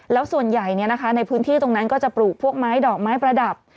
แล้วส่วนใหญ่ในพื้นที่ตรงนั้นก็จะปลูกพวกไม้ดอกไม้ประดับ